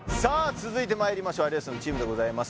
続いてまいりましょう有吉さんのチームでございます